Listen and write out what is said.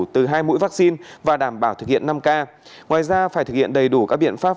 từ hai mũi vaccine và đảm bảo thực hiện năm k ngoài ra phải thực hiện đầy đủ các biện pháp